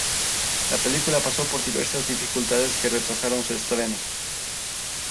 La película pasó por diversas dificultades que retrasaron su estreno.